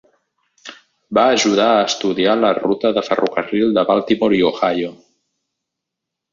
Va ajudar a estudiar la ruta del ferrocarril de Baltimore i Ohio.